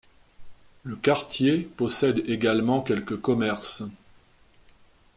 Le quartier possède également quelques commerces.